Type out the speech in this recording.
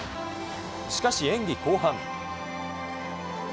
しかし演技後半。